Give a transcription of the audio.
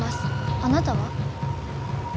あなたは？